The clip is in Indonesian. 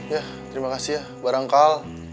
ya terima kasih ya barangkali